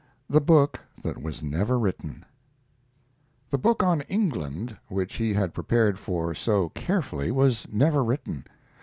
THE BOOK THAT WAS NEVER WRITTEN The book on England, which he had prepared for so carefully, was never written.